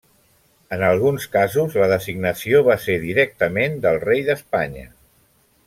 En alguns casos la designació va ser directament del rei d'Espanya.